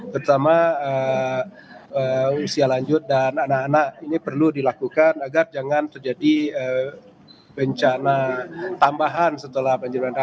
terutama usia lanjut dan anak anak ini perlu dilakukan agar jangan terjadi bencana tambahan setelah banjir bandang